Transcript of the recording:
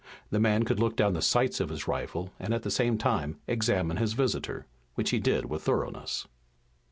The man could look down the sights of his rifle and at the same time examine his visitor, which he did with thoroughness.